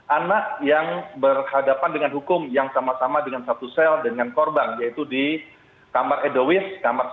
anak yang berhadapan dengan hukum yang sama sama dengan satu sel dengan korban yaitu di kamar edowiss kamar